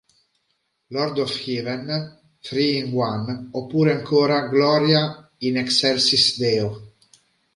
Lord of Heaven, Three in One" oppure ancora "Gloria in excelsis Deo.